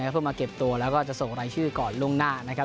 เพื่อมาเก็บตัวแล้วก็จะส่งรายชื่อก่อนล่วงหน้านะครับ